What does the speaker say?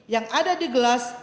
yang ada di gelas